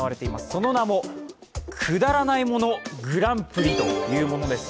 その名も、くだらないものグランプリというものです。